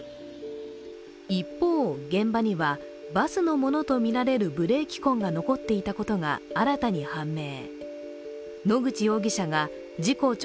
一方、現場にはバスのものとみられるブレーキ痕が残っていたことが新たに判明。